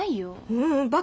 ううんバカ。